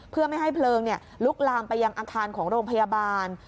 เพื่อไม่ให้เพลิงลุกลามไปยังอาคารของโรงพยาบาล